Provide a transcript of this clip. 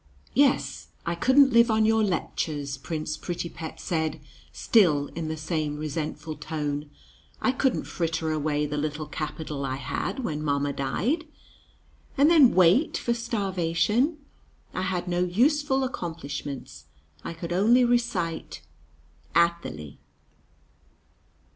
"Yes; I couldn't live on your lectures," Prince Prettypet said, still in the same resentful tone. "I couldn't fritter away the little capital I had when mamma died, and then wait for starvation. I had no useful accomplishments. I could only recite Athalie."